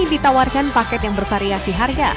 ditawarkan paket yang bervariasi harga